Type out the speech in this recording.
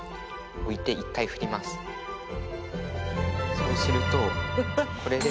そうするとこれで。